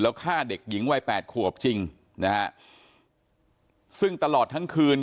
แล้วฆ่าเด็กหญิงวัยแปดขวบจริงนะฮะซึ่งตลอดทั้งคืน